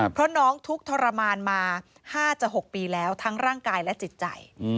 เพราะน้องทุกข์ทรมานมา๕๖ปีแล้วทั้งร่างกายและจิตใจ